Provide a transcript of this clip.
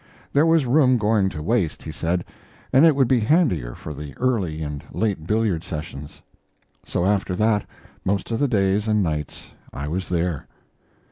There was room going to waste, he said, and it would be handier for the early and late billiard sessions. So, after that, most of the days and nights I was there.